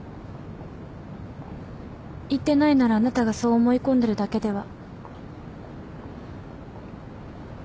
言ってないならあなたがそう思い込んでるだけでは？